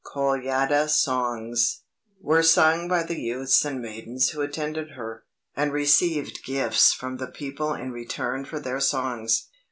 _, Kolyada songs) were sung by the youths and maidens who attended her, and received gifts from the people in return for their songs.